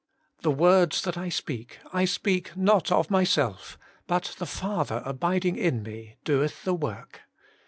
the words that I speak I speak not of Myself: but the Father abiding in Me doeth the work.'